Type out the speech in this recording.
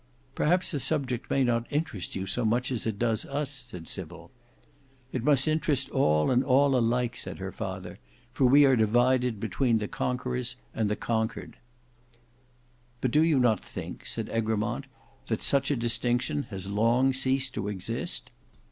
"Perhaps the subject may not interest you so much as it does us," said Sybil. "It must interest all and all alike," said her father; "for we are divided between the conquerors and the conquered." "But do not you think," said Egremont, "that such a distinction has long ceased to exist?"